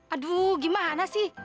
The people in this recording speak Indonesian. aduh gimana sih